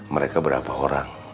mereka berapa orang